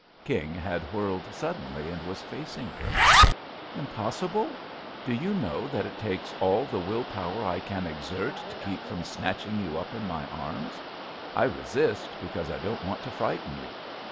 King had whirled suddenly and was facing her. "Impossible? Do you know that it takes ill the will power I can exert to keep from matching you up in my arms ? I resist because I don't want to frighten you.